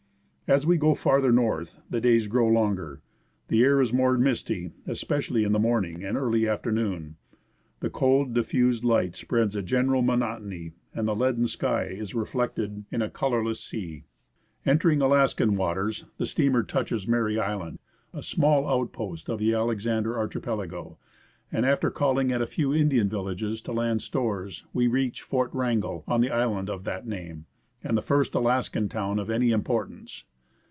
As we go farther north the days grow longer, the air is more misty, especially in the morning and early afternoon ; the cold, diffused light spreads a general monotony, and the leaden sky is reflected in a colourless sea. Entering Alaskan waters, the steamer touches Mary Island, a small outpost of the Alexander Archipelago, and after calling at a few Indian villages to land stores we reach Fort Wrangel, on the island of that name, and the first Alaskan town of any importance.